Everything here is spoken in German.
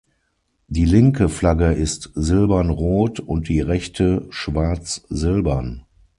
Die linke Flagge ist silbern-rot und die rechte schwarz-silbern.